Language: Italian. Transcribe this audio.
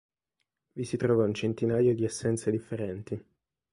Vi si trova un centinaio di essenze differenti.